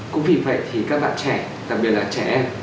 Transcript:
cũng vì vậy thì các bạn trẻ đặc biệt là trẻ em